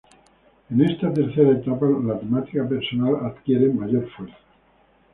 En esta tercera etapa la temática personal adquiere mayor fuerza.